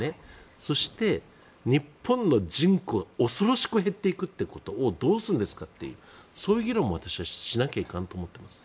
そして、日本の人口が恐ろしく減っていくことはどうするんですかというそういう議論も私はしなきゃいかんと思っています。